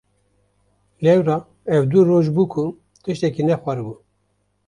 Lewra ev du roj bû ku tiştekî nexwaribû.